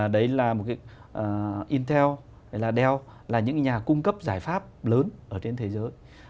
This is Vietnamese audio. đấy là intel và dell là những nhà cung cấp giải pháp lớn ở trên thế giới